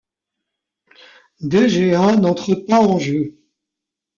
De Gea n'entre pas en jeu.